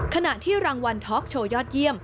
ขณะที่รางวัลท็อกโชว์ยอดเยี่ยม